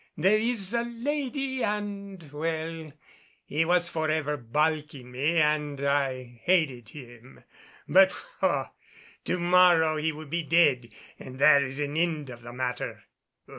There is a lady and well, he was forever balking me and I hated him. But faugh! to morrow he will be dead and there is an end of the matter."